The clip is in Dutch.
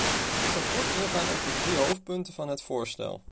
Ik zal kort ingaan op de drie hoofdpunten van het voorstel.